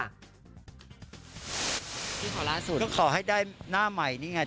ก็ขอให้ได้หน้าใหม่นี่ไง